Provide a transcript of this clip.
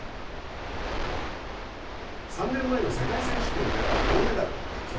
３年前の世界選手権では銅メダルを獲得。